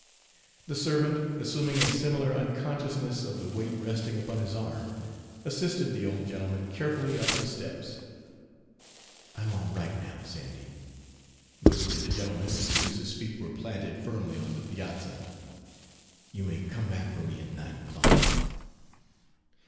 The servant, assuming a similar unconsciousness of the weight resting upon his arm, assisted the old gentleman carefully up the steps. "I'm all right now, Sandy," whispered the gentleman as soon as his feet were planted firmly on the piazza. "You may come back for me at nine o'clock."